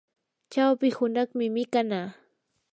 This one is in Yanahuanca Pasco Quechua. chawpi hunaqmi mikanaa.